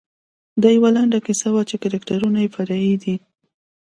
دا یوه لنډه کیسه وه چې کرکټرونه یې فرعي دي.